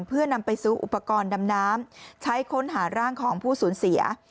เพื่อนำไปซื้ออุปกรณ์ดำน้ำใช้ค้นหาร่างของผู้สูญเสีย